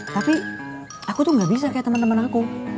tapi aku tuh gak bisa kayak temen temen aku